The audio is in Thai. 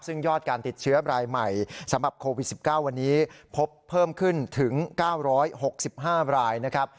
ซึ่งยอดการติดเชื้อรายใหม่สำหรับโควิด๑๙วันนี้พบเพิ่มขึ้นถึง๙๖๕รายนะครับ